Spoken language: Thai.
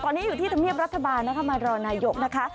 ตอนนี้อยู่ที่ธรรมเนียบรัฐบาลนะคะมารอนายกนะคะ